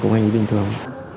cùng anh ấy bình thường